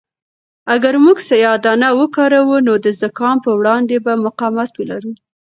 اگر موږ سیاه دانه وکاروو نو د زکام په وړاندې به مقاومت ولرو.